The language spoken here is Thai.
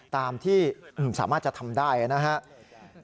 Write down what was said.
ตามที่สามารถจะทำได้นะครับ